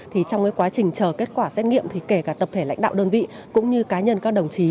thì trong cái quá trình chờ kết quả xét nghiệm thì kể cả tập thể lãnh đạo đơn vị cũng như cá nhân các đồng chí